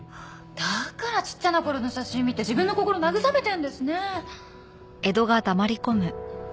だからちっちゃな頃の写真見て自分の心慰めてるんですね。